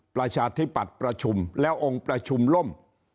ประชาธิปัตย์ประชุมแล้วองค์ประชุมล่ม